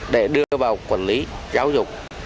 để đưa vào quản lý giáo dục